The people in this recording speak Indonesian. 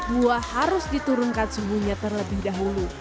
buah harus diturunkan suhunya terlebih dahulu